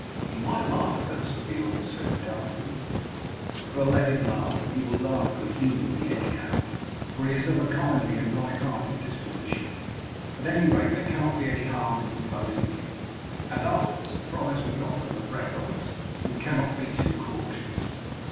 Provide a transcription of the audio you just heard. "He might laugh at us," Beorn said doubtfully. "Well, let him laugh; he will laugh good humouredly anyhow, for he is of a kindly and light hearted disposition. At any rate there cannot be any harm in proposing it, and after the surprise we got from the Bretons we cannot be too cautious."